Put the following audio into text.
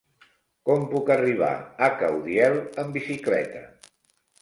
Com puc arribar a Caudiel amb bicicleta?